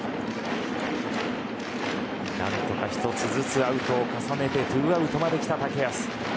何とか１つずつアウトを重ねて２アウトまできた竹安。